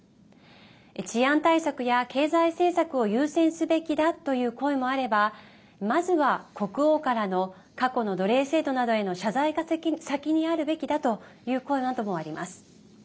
治安対策や経済政策を優先すべきだという声もあればまずは国王からの過去の奴隷制度などへの謝罪が先にあるべきという声などもあります。